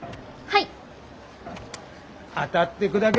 はい。